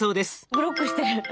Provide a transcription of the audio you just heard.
ブロックしてる。